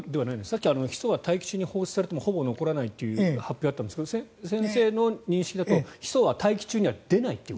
さっきヒ素は大気中に放出されてもほぼ残らないという発表があったんですが先生の認識だとヒ素は大気中には出ない？